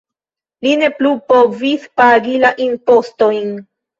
Li ne plu povis pagi la impostojn.